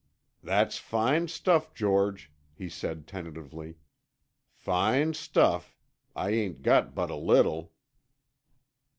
"That's fine stuff, George," he said tentatively. "Fine stuff. I ain't got but a little."